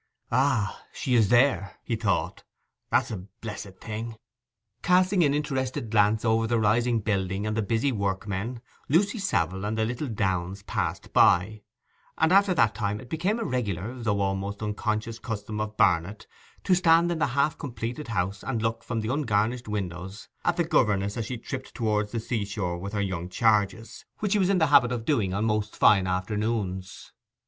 'Ah, she is there,' he thought. 'That's a blessed thing.' Casting an interested glance over the rising building and the busy workmen, Lucy Savile and the little Downes passed by; and after that time it became a regular though almost unconscious custom of Barnet to stand in the half completed house and look from the ungarnished windows at the governess as she tripped towards the sea shore with her young charges, which she was in the habit of doing on most fine afternoons.